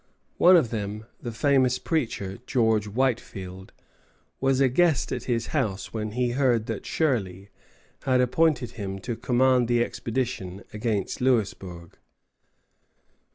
One of them, the famous preacher, George Whitefield, was a guest at his house when he heard that Shirley had appointed him to command the expedition against Louisbourg.